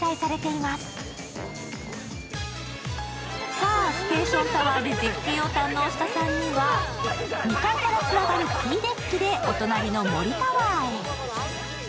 さあ、ステーションタワーで絶景を堪能した３人は２階からつながるＴデッキでお隣の森タワーへ。